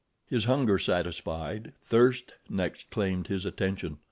His hunger satisfied, thirst next claimed his attention.